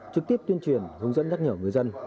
trực tiếp tuyên truyền hướng dẫn nhắc nhở người dân